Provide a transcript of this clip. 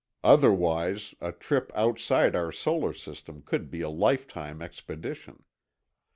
Otherwise, a trip outside our solar system could be a lifetime expedition.